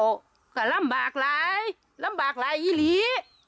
ก็ลำบากหลายลำบากหลายอีหลี